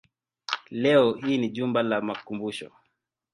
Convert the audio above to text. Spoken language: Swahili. Leo hii ni jumba la makumbusho.